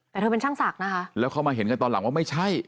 แต่เธอเป็นช่างศักดิ์นะคะแล้วเขามาเห็นกันตอนหลังว่าไม่ใช่